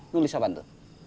lu bisa bantu